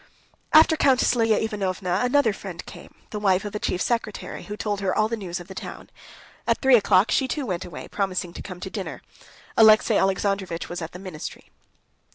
After Countess Lidia Ivanovna another friend came, the wife of a chief secretary, who told her all the news of the town. At three o'clock she too went away, promising to come to dinner. Alexey Alexandrovitch was at the ministry.